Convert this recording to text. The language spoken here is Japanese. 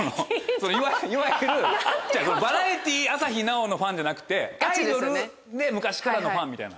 いわゆる「バラエティー朝日奈央」のファンじゃなくてアイドルで昔からのファンみたいな。